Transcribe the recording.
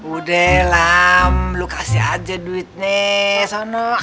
udah lam lo kasih aja duitnya sono